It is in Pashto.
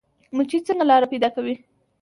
مچۍ څنګه لاره پیدا کوي؟